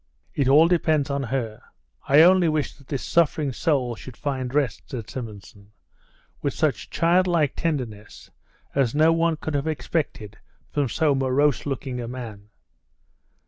"It all depends on her; I only wish that this suffering soul should find rest," said Simonson, with such childlike tenderness as no one could have expected from so morose looking a man.